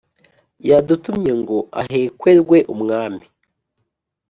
yadutumye ngo ahekwerwe umwami"